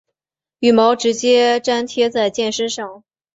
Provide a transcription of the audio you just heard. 羽毛直接粘贴在箭身上。